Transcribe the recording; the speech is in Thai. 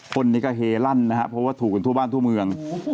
คนนี้ก็เฮลั่นนะครับเพราะว่าถูกกันทั่วบ้านทั่วเมือง